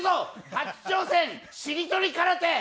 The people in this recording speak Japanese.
初挑戦、しりとり空手！